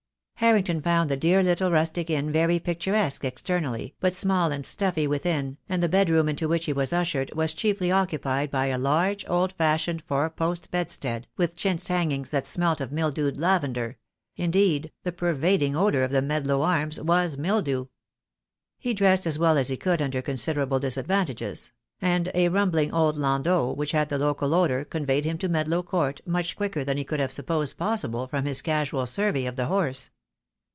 Harrington found the dear little rustic inn very pictu resque externally, but small and stuffy within, and the bed room into which he was ushered was chiefly occupied by a large old fashioned, four post bedstead, with chintz hangings that smelt of mildewed lavender — indeed, the pervading odour of the "Medlow Arms" was mildew. He dressed as well as he could under considerable disadvantages; and a rumbling old landau, which had the local odour, conveyed him to Medlow Court much quicker than he could have supposed possible from his casual survey of the horse.